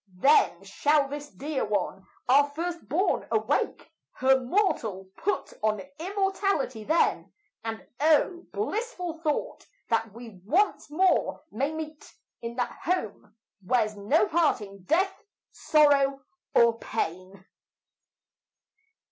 Then shall this dear one, our first born, awake, Her mortal put on immortality then; And oh! blissful thought, that we once more may meet In that home where's no parting, death, sorrow, or pain.